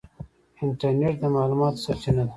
انټرنیټ د معلوماتو سرچینه ده.